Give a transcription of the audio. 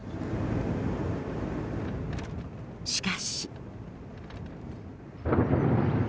しかし。